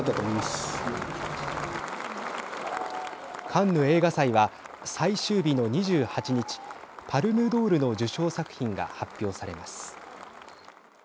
カンヌ映画祭は最終日の２８日パルムドールの受賞作品が発表されます。